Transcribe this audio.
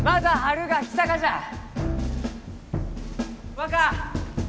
若！